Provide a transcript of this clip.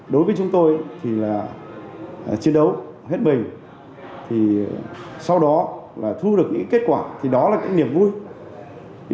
đối với chúng tôi chiến đấu hết bình sau đó thu được những kết quả đó là niềm vui